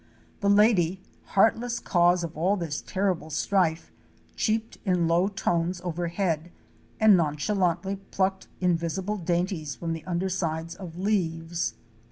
The lady —heartless cause of all this terrible strife— cheeped in low tones overhead and nonchalantly plucked invisible dainties from the undersides of leaves.